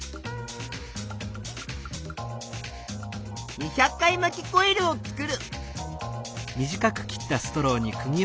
２００回まきコイルをつくる。